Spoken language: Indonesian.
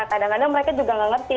kadang kadang mereka juga nggak ngerti